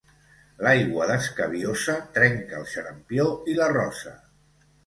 L'aigua d'escabiosa trenca el xarampió i la rosa.